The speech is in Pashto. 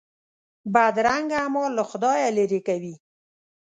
بدرنګه اعمال له خدایه لیرې کوي